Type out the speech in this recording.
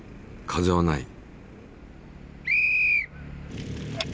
風はない。